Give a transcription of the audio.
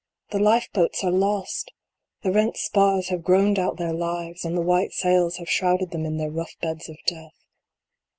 The life boats are lost The rent spars have groaned out their lives, and the white sails have shrouded them in their rough beds of Death.